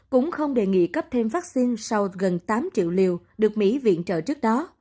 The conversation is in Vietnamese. cũng không đề nghị cấp thêm vaccine sau gần tám triệu liều được mỹ viện trợ trước đó